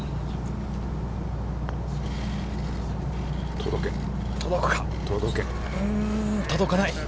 届かない。